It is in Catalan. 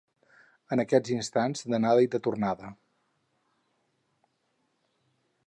En aquests instants, d'anada i de tornada.